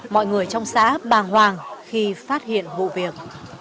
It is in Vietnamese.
mọi người trong xã bàng hoàng khi phát hiện vụ việc